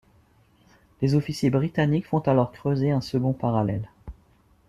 Les officiers britanniques font alors creuser un second parallèle.